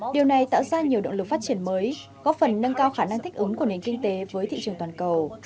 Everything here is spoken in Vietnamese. điều này tạo ra nhiều động lực phát triển mới góp phần nâng cao khả năng thích ứng của nền kinh tế với thị trường toàn cầu